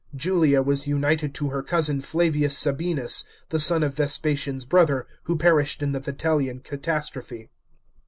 Julia was united to her cousin Flavius Sabinus, the son of Vespasian's brother, who perished in the Vitellian catastrophe.